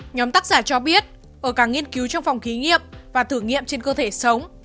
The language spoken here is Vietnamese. nhóm tác giả cho biết ở cả nghiên cứu trong phòng ký nghiệm và thử nghiệm trên đại dịch covid một mươi chín